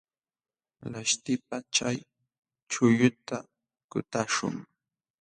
Laśhtipaq chay chuqlluta kutaśhun.